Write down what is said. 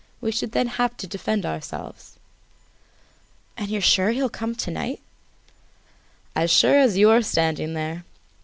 We should then have to defend ourselves." "And you are sure he will come to night?" "As sure as that you are standing there!